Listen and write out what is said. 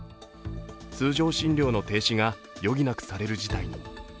通常診療の停止が余儀なくされる事態に。